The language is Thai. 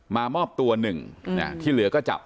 มามอบตัวหนึ่งที่เหลือก็จะเป็น